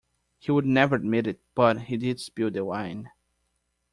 He would never admit it, but he did spill the wine.